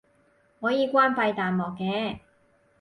可以關閉彈幕嘅